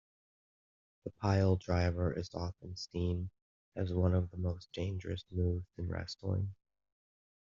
The piledriver is often seen as one of the most dangerous moves in wrestling.